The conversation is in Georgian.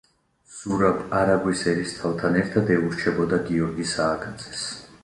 ზურაბ არაგვის ერისთავთან ერთად ეურჩებოდა გიორგი სააკაძეს.